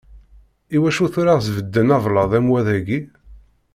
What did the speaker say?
Iwacu tura sbedden ablaḍ am wa dayi?